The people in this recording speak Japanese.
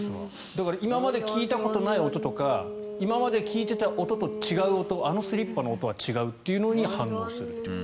だから今まで聞いたことのない音とか今まで聞いていた音と違う音あのスリッパの音は違うというのに反応するという。